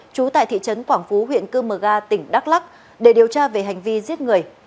trú tại thị trấn quảng phú huyện cư mờ ga tỉnh đắk lắc để điều tra về hành vi giết người